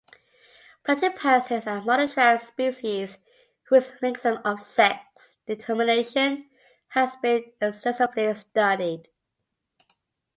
Platypuses are a monotreme species whose mechanism of sex determination has been extensively studied.